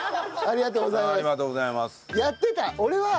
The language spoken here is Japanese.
ありがとうございます。